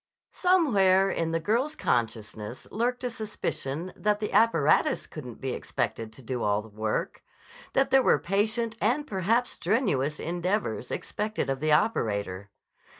Somewhere in the girl's consciousness lurked a suspicion that the apparatus couldn't be expected to do all the work: that there were patient and perhaps strenuous endeavors expected of the operator.